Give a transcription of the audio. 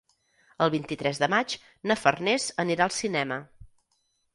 El vint-i-tres de maig na Farners anirà al cinema.